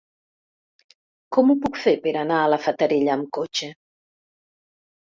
Com ho puc fer per anar a la Fatarella amb cotxe?